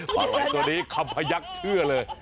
คำพะยักษ์ตัวนี้คำพะยักษ์เชื่อเลย